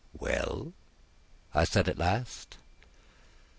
"Well?" I said at last.